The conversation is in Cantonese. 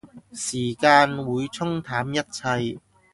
時間會沖淡一切